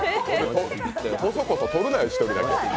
コソコソ撮るなよ、１人で。